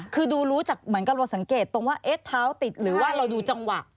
คือดูรู้จากเหมือนกับเราสังเกตตรงว่าเอ๊ะเท้าติดหรือว่าเราดูจังหวะ